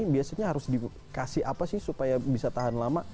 biasanya harus dikasih apa sih supaya bisa tahan lama